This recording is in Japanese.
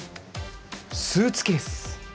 スーツケース！